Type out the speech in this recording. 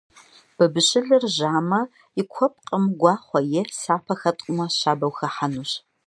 Бабыщылыр жьамэ, и куэпкъым гуахъуэ е сапэ хэпӀумэ щабэу хыхьэнущ.